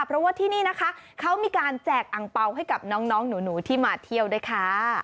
เพราะว่าที่นี่นะคะเขามีการแจกอังเปล่าให้กับน้องหนูที่มาเที่ยวด้วยค่ะ